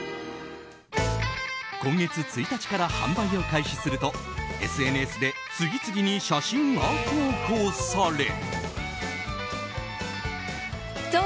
今月１日から販売を開始するとＳＮＳで次々に写真が投稿され。